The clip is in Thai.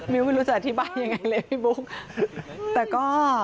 ไม่รู้จะอธิบายยังไงเลยพี่บุ๊คแต่ก็